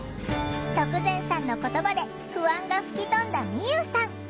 徳善さんの言葉で不安が吹き飛んだみゆうさん。